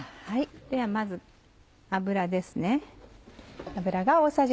ではまず油です。